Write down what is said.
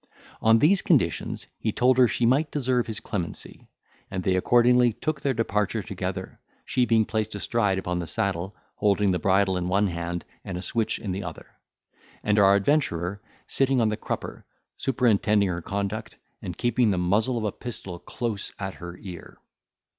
On these conditions he told her she might deserve his clemency; and they accordingly took their departure together, she being placed astride upon the saddle, holding the bridle in one hand and a switch in the other; and our adventurer sitting on the crupper, superintending her conduct, and keeping the muzzle of a pistol close at her ear.